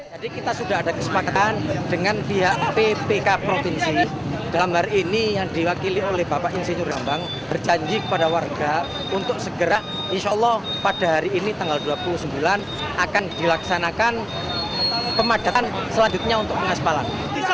jadi kita sudah ada kesepakatan dengan pihak ppk provinsi dalam hari ini yang diwakili oleh bapak insinyur rambang berjanji kepada warga untuk segera insya allah pada hari ini tanggal dua puluh sembilan akan dilaksanakan pemadatan selanjutnya untuk pengaspalan